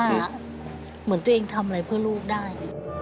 เหมือนตัวเองทำอะไรเพื่อลูกได้